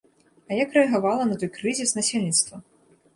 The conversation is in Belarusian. А як рэагавала на той крызіс насельніцтва?